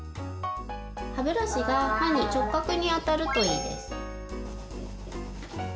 歯ブラシが歯に直角に当たるといいです。